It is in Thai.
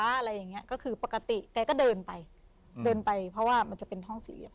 อะไรอย่างเงี้ยก็คือปกติแกก็เดินไปเดินไปเพราะว่ามันจะเป็นห้องสี่เหลี่ย